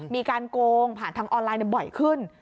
มีการโกงผ่านทางออนไลน์บ่อยขึ้น